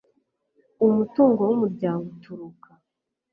umutungo w umuryango uturuka